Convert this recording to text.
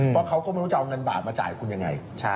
เพราะเขาก็ไม่รู้จะเอาเหารสติมาจ่ายคุณอย่างไร